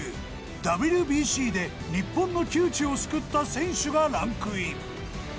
ＷＢＣで日本の窮地を救った選手がランクイン。